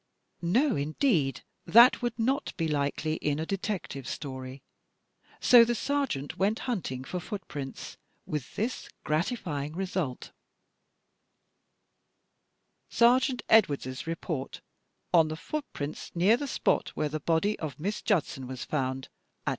No, indeed, that would not be likely in a Detective Story! So the Sergeant went hunting for footprints, with this grati fying result: Sergeant Edwardes* report on the footprints near the spot where the body of Miss Judson was foimd, at 9.